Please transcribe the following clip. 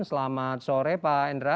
selamat sore pak endra